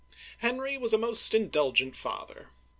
Henry was a most indulgent father.